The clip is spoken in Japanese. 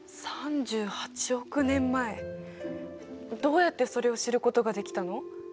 どうやってそれを知ることができたの？